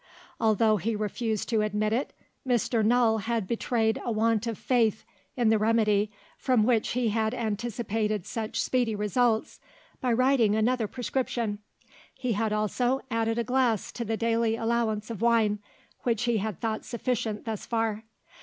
Although he refused to admit it, Mr. Null had betrayed a want of faith in the remedy from which he had anticipated such speedy results, by writing another prescription. He had also added a glass to the daily allowance of wine, which he had thought sufficient thus far.